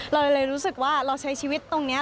เลยรู้สึกว่าเราใช้ชีวิตตรงนี้